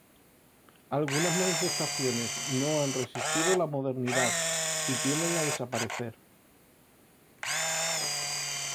Algunas manifestaciones no han resistido la modernidad y tienden a desaparecer.